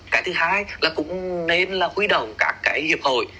cái thứ hai là cũng nên là huy động các cái hiệp hội